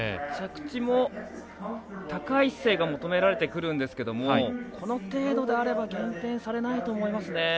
着地も高い姿勢が求められてくるんですけどこの程度であれば減点されないと思いますね。